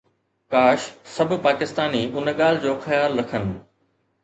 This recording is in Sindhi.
ڪاش سڀ پاڪستاني ان ڳالهه جو خيال رکن